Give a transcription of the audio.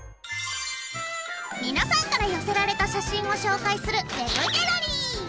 皆さんから寄せられた写真を紹介する「ＷＥＢギャラリー」。